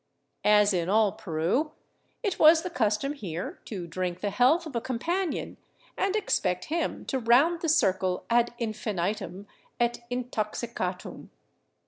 As in all Peru, it was the custom here to drink the health of a companion and expect him to round the circle ad infinitum et intoxicatum.